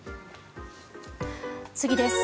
次です。